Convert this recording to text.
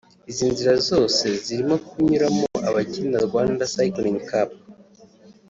Izi nzira zose zirimo kunyuramo abakina Rwanda Cycling Cup